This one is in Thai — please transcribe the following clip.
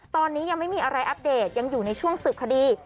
ตอนนี้ยังไม่มีอะไรอัปเดตยังอยู่ในช่วงสืบคดี